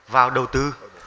vào đầu tư